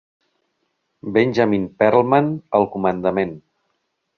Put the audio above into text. Benjamin Perlman al comandament.